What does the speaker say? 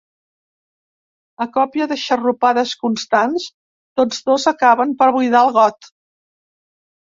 A còpia de xarrupades constants, tots dos acaben per buidar el got.